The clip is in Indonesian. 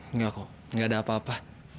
enggak kok enggak ada apa apa